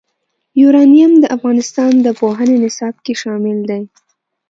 یورانیم د افغانستان د پوهنې نصاب کې شامل دي.